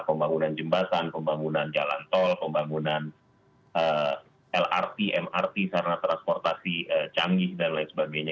pembangunan jembatan pembangunan jalan tol pembangunan lrt mrt sarana transportasi canggih dan lain sebagainya